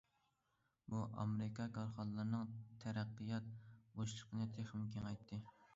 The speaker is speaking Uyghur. بۇ ئامېرىكا كارخانىلىرىنىڭ تەرەققىيات بوشلۇقىنى تېخىمۇ كېڭەيتتى.